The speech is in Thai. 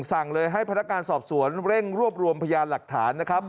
สั่งเลยให้พนักงานสอบสวนเร่งรวบรวมพยานหลักฐานนะครับ